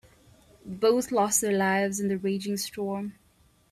Both lost their lives in the raging storm.